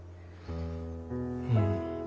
うん。